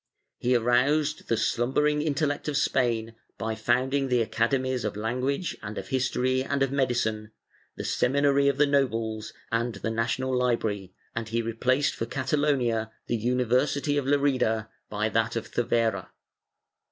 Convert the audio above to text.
He aroused the slumber ing intellect of Spain by founding the Academies of Language and of History and of IMedicine, the Seminary of the Nobles, and the National Library, and he replaced for Catalonia the University of Lerida by that of Cervera.